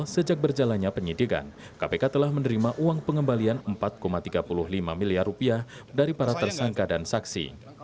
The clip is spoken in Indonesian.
sejak berjalannya penyidikan kpk telah menerima uang pengembalian rp empat tiga puluh lima miliar rupiah dari para tersangka dan saksi